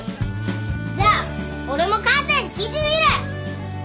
じゃあ俺も母ちゃんに聞いてみる！